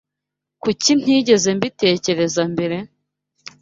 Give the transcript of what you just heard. Kuki ntigeze mbitekereza mbere?